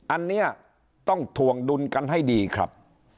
อันนี้ต้องถวงดุลกันให้ดีครับ